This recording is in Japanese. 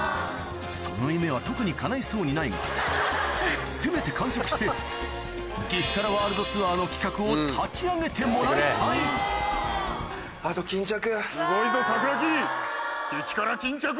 その夢は特にかないそうにないがせめて完食して激辛ワールドツアーの企画を立ち上げてもらいたいすごいぞ桜木！